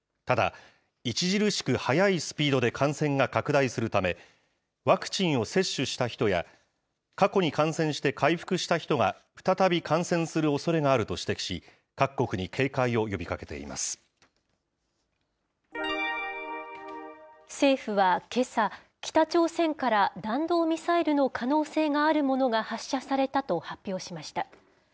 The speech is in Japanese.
ただ、著しく速いスピードで感染が拡大するため、ワクチンを接種した人や、過去に感染して回復した人が再び感染するおそれがあると指摘し、政府はけさ、北朝鮮から弾道ミサイルの可能性があるものが発射されたと発表しました。